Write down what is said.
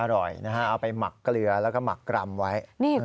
อร่อยนะฮะเอาไปหมักเกลือแล้วก็หมักกรำไว้